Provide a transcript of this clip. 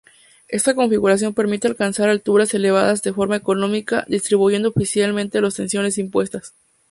Esta configuración permite alcanzar alturas elevadas de forma económica, distribuyendo eficientemente las tensiones impuestas.